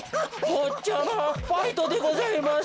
ぼっちゃまファイトでございます。